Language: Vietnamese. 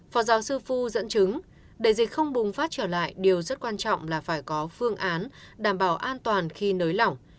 phó giáo sư phu dẫn chứng để dịch không bùng phát trở lại điều rất quan trọng là phải có phương án đảm bảo an toàn khi nới lỏng